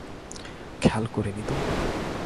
খেয়াল করিনি তো।